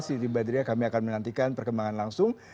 siti badriah kami akan menantikan perkembangan langsung